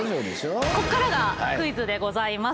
ここからがクイズでございます。